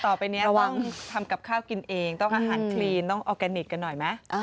ต่อไปนี้ระวังทำกับข้าวกินเองต้องอาหารคลีนต้องออร์แกนิคกันหน่อยไหม